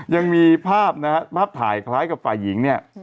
ยังมีภาพนะฮะภาพถ่ายคล้ายกับฝ่ายหญิงเนี่ย